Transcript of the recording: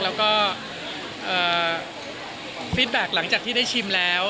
แล้วก็ฟิตแบ็คหลังจากที่ได้ชิมแล้ว